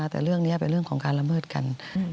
แต่เรื่องนี้เป็นเรื่องของการละเมิดกัน